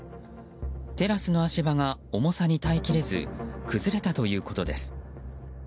テラスの足場が重さに耐えきれず崩れたということです。